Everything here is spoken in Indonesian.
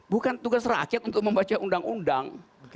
bukan tugas rakyat untuk membaca undang undang